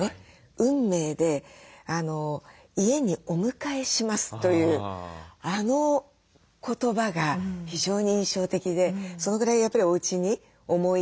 「運命で家にお迎えします」というあの言葉が非常に印象的でそのぐらいやっぱりおうちに思い入れを。